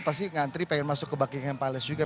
pasti ngantri pengen masuk ke buckingham palace juga